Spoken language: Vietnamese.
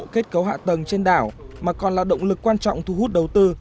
kết cấu hạ tầng trên đảo mà còn là động lực quan trọng thu hút đầu tư